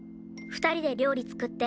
２人で料理作って待っ